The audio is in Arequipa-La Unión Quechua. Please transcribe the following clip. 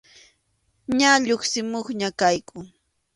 Ña lluqsimuqña kayku.